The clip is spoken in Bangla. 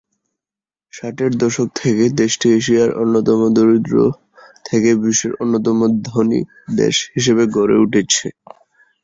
ষাটের দশক থেকে, দেশটি এশিয়ার অন্যতম দরিদ্র থেকে বিশ্বের অন্যতম ধনী দেশ হিসেবে গড়ে উঠেছে।